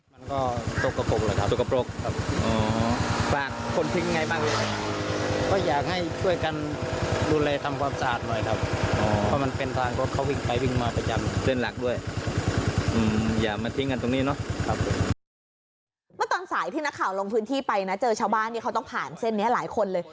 เมื่อตอนสายที่นักข่าวลงพื้นที่ไปนะเจอชาวบ้านที่เขาต้องผ่านเส้นนี้หลายคนเลย